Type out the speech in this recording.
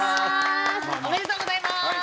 おめでとうございます。